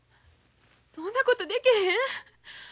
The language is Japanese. そんなことでけへん。